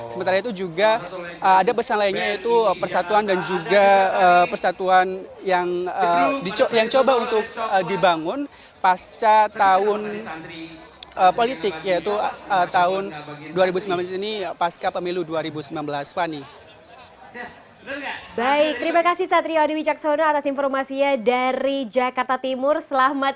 sementara itu juga ada pesan lainnya yaitu persatuan dan juga persatuan yang coba untuk dibahas